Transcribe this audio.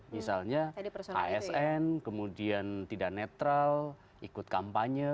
misalnya asn kemudian tidak netral ikut kampanye